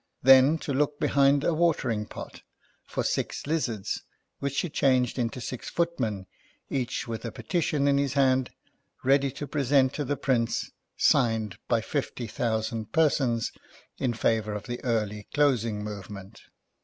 Then, to look behind a watering pot for six lizards, which she changed into six footmen, each with a petition in his hand ready to present to the Prince, signed by fifty thousani. persons, in favour of the early closing movement.